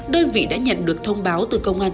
đơn vị đã nhận được thông báo từ công an